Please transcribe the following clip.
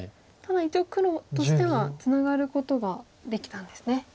ただ一応黒としてはツナがることができたんですね。